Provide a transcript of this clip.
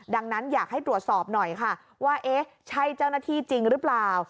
ดังนั้นอยากให้ตรวจสอบหน่อยค่ะว่าเอ๊ะใช่เจ้าหน้าที่จริงหรือเปล่า